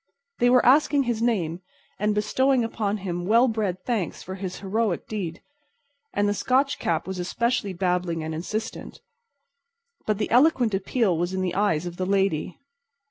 They were asking his name and bestowing upon him wellbred thanks for his heroic deed, and the Scotch cap was especially babbling and insistent. But the eloquent appeal was in the eyes of the lady.